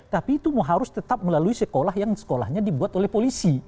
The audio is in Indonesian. tapi itu harus tetap melalui sekolah yang sekolahnya dibuat oleh polisi